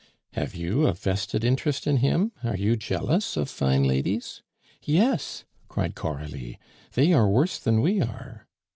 "Have you a vested interest in him? Are you jealous of fine ladies?" "Yes," cried Coralie. "They are worse than we are."